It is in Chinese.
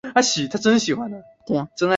家里绝对不能再缺少这份薪水